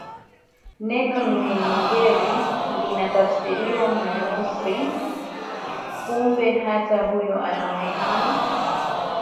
Neno Nigeri linatafsiriwa Mweusi Kumbe hata huyu anaonekana